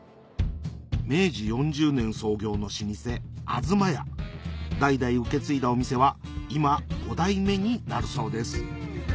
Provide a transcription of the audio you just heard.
明治４０年創業の老舗代々受け継いだお店は今５代目になるそうです